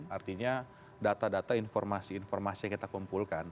artinya data data informasi informasi yang kita kumpulkan